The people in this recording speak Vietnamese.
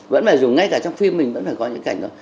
vẫn phải dùng ngay cả trong phim mình vẫn phải có những cảnh đó